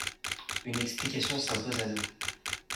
Une explication s’impose à nous.